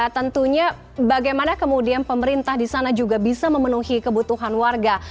tentunya bagaimana kemudian pemerintah di sana juga bisa memenuhi kebutuhan warga